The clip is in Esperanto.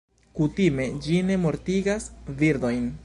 Kutime ĝi ne mortigas birdojn.